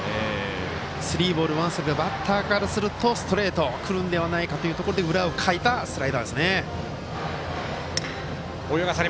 スリーボール、ワンストライクバッターからするとストレートくるのではないかというところで裏をかいたスライダーですね。